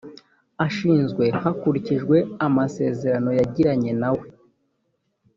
ashinzwe hakurikijwe amasezerano yagiranye na we